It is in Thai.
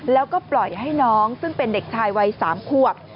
แล้วก็ปล่อยให้น้องซึ่งเป็นเด็กชายวัย๓ขวบ